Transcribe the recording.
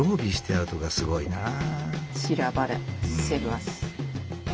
散らばらせます。